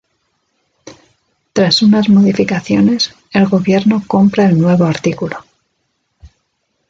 Tras unas modificaciones, el gobierno compra el nuevo artículo.